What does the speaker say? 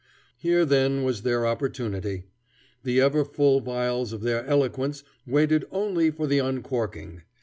Here, then, was their opportunity. The ever full vials of their eloquence waited only for the uncorking.